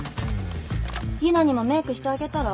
佑奈にもメークしてあげたら？